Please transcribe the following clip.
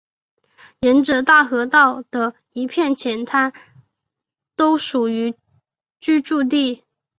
沿着大河道的一片浅滩都属于居住地。